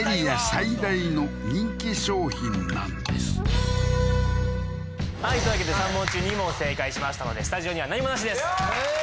最大の人気商品なんですはいというわけで３問中２問正解しましたのでスタジオには何もなしですよっ！